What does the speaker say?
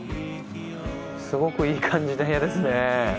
すごくいい感じの部屋ですね。